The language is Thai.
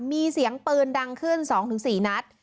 มีเสียงปืนดังขึ้น๒๔นัด